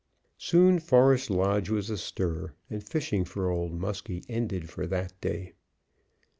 Soon Forest Lodge was astir, and fishing for Old Muskie ended for that day.